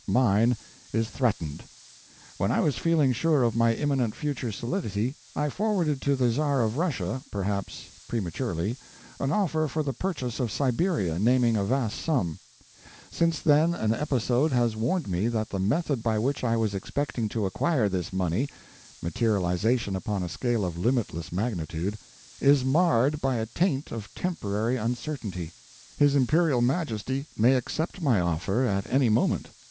Mine is threatened. When I was feeling sure of my imminent future solidity, I forwarded to the Czar of Russia—perhaps prematurely—an offer for the purchase of Siberia, naming a vast sum. Since then an episode has warned me that the method by which I was expecting to acquire this money—materialization upon a scale of limitless magnitude—is marred by a taint of temporary uncertainty. His imperial majesty may accept my offer at any moment.